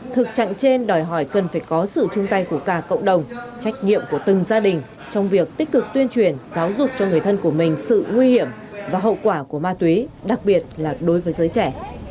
thực trạng trên đòi hỏi cần phải có sự chung tay của cả cộng đồng trách nhiệm của từng gia đình trong việc tích cực tuyên truyền giáo dục cho người thân của mình sự nguy hiểm và hậu quả của ma túy đặc biệt là đối với giới trẻ